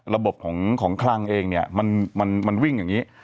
ระบบของของคลังเองเนี่ยมันมันมันวิ่งอย่างงี้